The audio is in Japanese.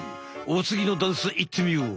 おつぎのダンスいってみよう！